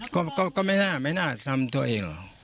ก็ไม่น่าทำตัวเองหรอก